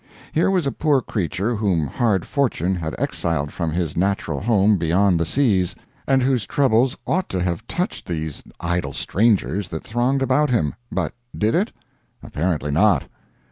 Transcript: Here was a poor creature whom hard fortune had exiled from his natural home beyond the seas, and whose troubles ought to have touched these idle strangers that thronged about him; but did it? Apparently not.